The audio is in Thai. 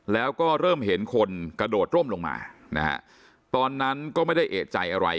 แล้วก็เริ่มเห็นคนกระโดดร่มลงมานะฮะตอนนั้นก็ไม่ได้เอกใจอะไร